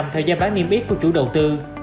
theo giá bán niêm yếp của chủ đầu tư